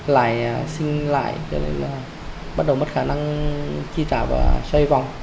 lại sinh lại bắt đầu mất khả năng chi trả và xoay vòng